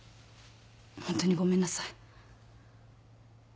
ホントにごめんなさい。